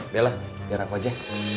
bella biar aku aja